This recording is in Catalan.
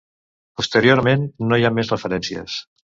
Posteriorment no hi ha més referències.